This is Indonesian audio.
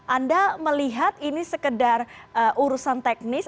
anda melihat ini sekedar urusan teknis